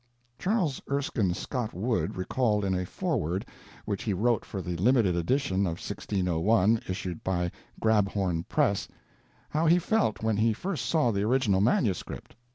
Charles Erskine Scott Wood recalled in a foreword, which he wrote for the limited edition of 1601 issued by the Grabhorn Press, how he felt when he first saw the original manuscript.